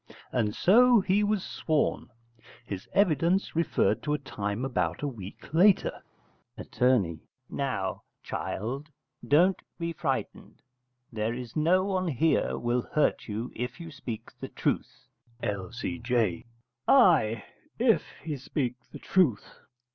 And so he was sworn. His evidence referred to a time about a week later. Att. Now, child, don't be frighted: there is no one here will hurt you if you speak the truth. L.C.J. Ay, if he speak the truth.